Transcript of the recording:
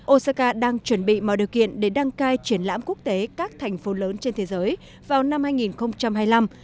osaka đang chuẩn bị mọi điều kiện để đăng cai triển lãm quốc tế các thành phố lớn trên thế giới vào năm hai nghìn hai mươi năm